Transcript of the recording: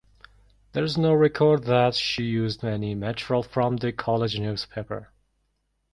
There is no record that she used any material from the college newspaper.